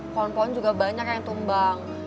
kolon kolon juga banyak yang tumbang